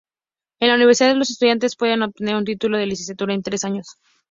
En la universidad, los estudiantes pueden obtener un título de licenciatura en tres años.